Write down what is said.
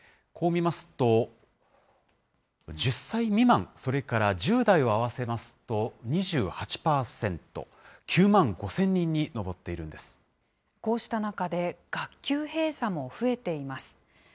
こう見ますと、１０歳未満、それから１０代を合わせますと２８％、９万５０００人に上っていこうした中で、学級閉鎖も増えています。